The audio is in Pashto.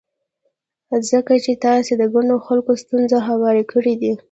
ځکه چې تاسې د ګڼو خلکو ستونزې هوارې کړې دي.